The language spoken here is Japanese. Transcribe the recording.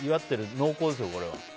濃厚ですよ、これは。